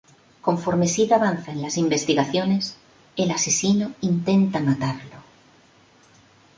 Conforme Sid avanza en las investigaciones, el asesino intenta matarlo.